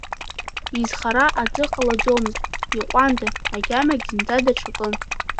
Изхара аӡы ҟалаӡомызт, иҟәандан, агьамагь зынӡа даҽакын.